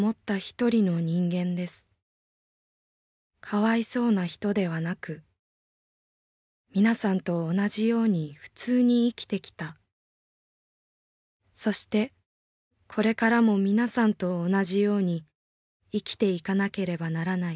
『かわいそうな人』ではなくみなさんと同じように普通に生きてきたそしてこれからもみなさんと同じように生きていかなければならない一人の人間です」。